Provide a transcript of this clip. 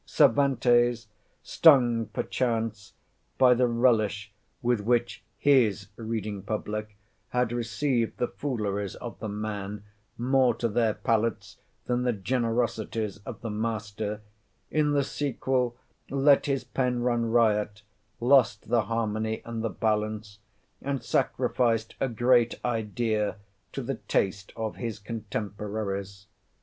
—Cervantes, stung, perchance, by the relish with which his Reading Public had received the fooleries of the man, more to their palates than the generosities of the master, in the sequel let his pen run riot, lost the harmony and the balance, and sacrificed a great idea to the taste of his contemporaries.